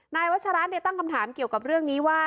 วัชระตั้งคำถามเกี่ยวกับเรื่องนี้ว่า